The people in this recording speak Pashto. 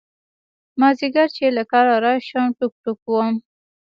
مازدیگر چې له کاره راشم ټوک ټوک وم.